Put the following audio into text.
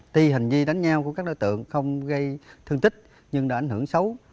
tuy hình như đánh nhau của các đối tượng không gây thương tích nhưng đã ảnh hưởng xấu